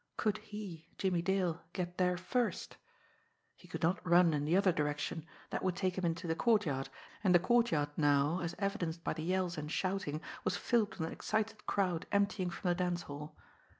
Could he, Jimmie Dale, get there first! He could not run in the other direction that would take him into the courtyard, and the courtyard now, as evidenced by the yells and shouting, was filled with an excited crowd emptying from the dance hall.